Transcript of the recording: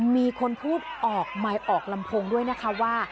มีคนพูดออกไมค์ออกลำโพงด้วยนะคะว่า